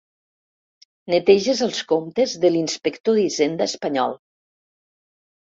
Neteges els comptes de l'inspector d'Hisenda espanyol.